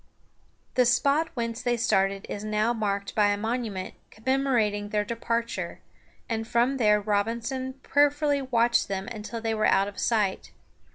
The spot whence they started is now marked by a monument commemorating their departure, and from there Robinson prayerfully watched them until they were out of sight.